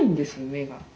目が。